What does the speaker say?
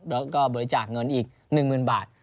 แล้วก็บริจาคเงินอีก๑๐๐๐บาท